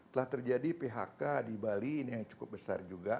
telah terjadi phk di bali ini yang cukup besar juga